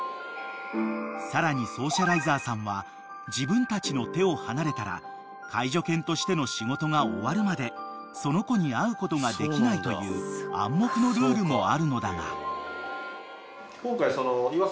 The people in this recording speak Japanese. ［さらにソーシャライザーさんは自分たちの手を離れたら介助犬としての仕事が終わるまでその子に会うことができないという暗黙のルールもあるのだが］